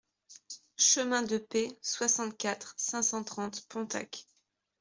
Chemin de Pey, soixante-quatre, cinq cent trente Pontacq